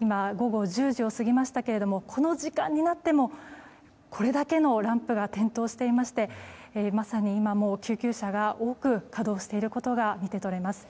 今、午後１０時を過ぎましたがこの時間になってもこれだけのランプが点灯していましてまさに今、救急車が多く稼働していることが見て取れます。